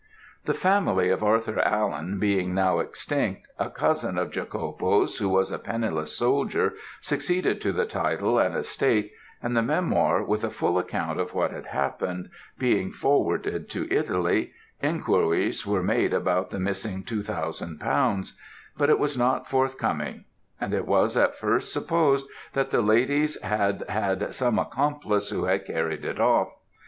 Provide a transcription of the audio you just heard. "The family of Arthur Allen being now extinct, a cousin of Jacopo's, who was a penniless soldier, succeeded to the title and estate, and the memoir, with a full account of what had happened, being forwarded to Italy, enquiries were made about the missing two thousand pounds; but it was not forthcoming; and it was at first supposed that the ladies had had some accomplice who had carried it off.